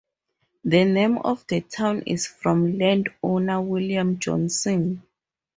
The name of the town is from landowner William Johnson.